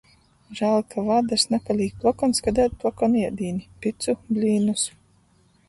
Žāļ, ka vādars napalīk plokons, ka ēd plokonu iedīni - picu, blīnus